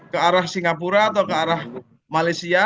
ke arah singapura atau ke arah malaysia